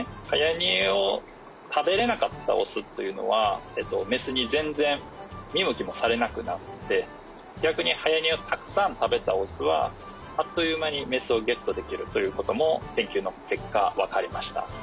はやにえを食べれなかったオスというのはメスにぜんぜんみむきもされなくなってぎゃくにはやにえをたくさん食べたオスはあっというまにメスをゲットできるということも研究のけっかわかりました。